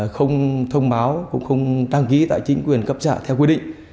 không thông báo cũng không đăng ký tại chính quyền cấp xã theo quy định